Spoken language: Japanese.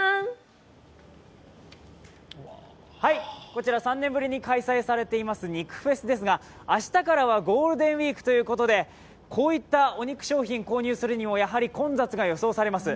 こちら３年ぶりに開催されています肉フェスですが明日からはゴールデンウイークということで、こういったお肉商品を購入するにもやはり混雑が予想されます。